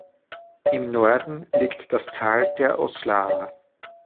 Im Norden liegt das Tal der Oslava.